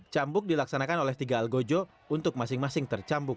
cambuk dilaksanakan oleh tiga algojo untuk masing masing tercambuk